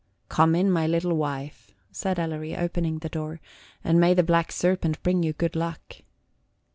"Come in, my little wife," said Ellery, opening the door; "and may the black serpent bring you good luck."